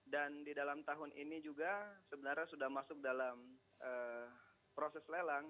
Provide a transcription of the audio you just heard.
dan di dalam tahun ini juga sebenarnya sudah masuk dalam proses lelang